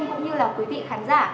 cũng như là quý vị khán giả